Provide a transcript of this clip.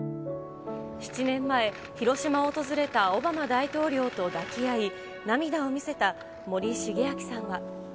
７年前、広島を訪れたオバマ大統領と抱き合い、涙を見せた森重昭さんは。